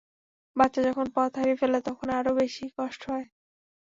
বাচ্চা যখন পথ হারিয়ে ফেলে, তখন আরও বেশি কষ্ট হয়।